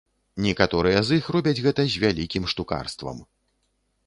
Некаторыя з іх робяць гэта з вялікім штукарствам.